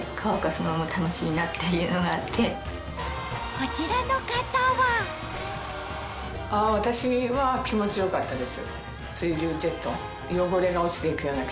こちらの方は私は気持ち良かったです。